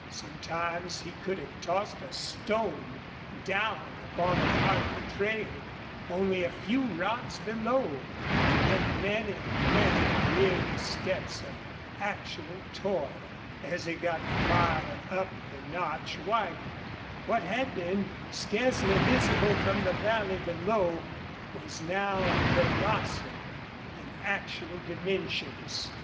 Sometimes he could have tossed a stone down upon a part of the trail, only a few rods below, yet many, many weary steps of actual toil. As he got farther up the notch widened. What had been scarcely visible from the valley below was now colossal in actual dimensions.